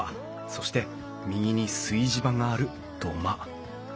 そして右に炊事場がある土間。